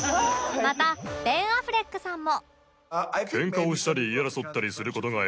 またベン・アフレックさんも